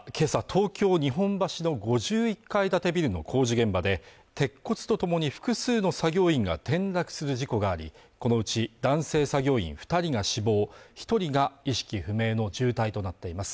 東京日本橋の５１階建てビルの工事現場で鉄骨とともに複数の作業員が転落する事故がありこのうち男性作業員二人が死亡一人が意識不明の重体となっています